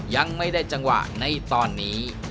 ยังไม่ได้จังหวะในตอนนี้